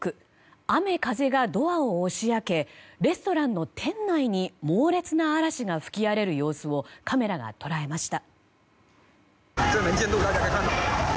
雨風がドアを押し開けレストランの店内に猛烈な嵐が吹き荒れる様子をカメラが捉えました。